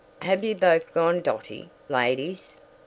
Have you both gone dotty, ladies?